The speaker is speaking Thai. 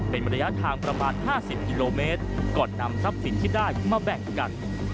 เป็นระยะทางประมาณ๕๐กิโลเมตรก่อนนำทรัพย์สินที่ได้มาแบ่งกัน